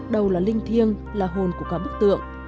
đầu là linh thiêng là hồn của cả bức tượng